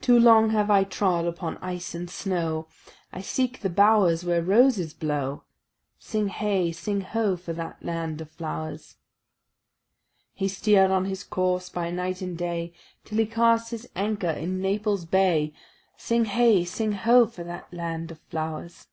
"Too long have I trod upon ice and snow; I seek the bowers where roses blow." Sing heigh, sing ho, for that land of flowers! He steer'd on his course by night and day Till he cast his anchor in Naples Bay. Sing heigh, sing ho, for that land of flowers!